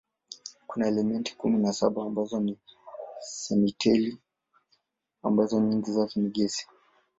Kuna elementi kumi na saba ambazo ni simetili ambazo nyingi zake ni gesi.